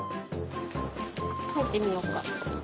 入ってみようか。